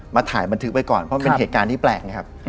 มาถ่ายบันทึกไปก่อนเพราะเป็นเหตุการณ์ที่แปลก